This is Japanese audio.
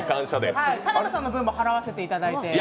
田辺さんの分も払わせていただいて。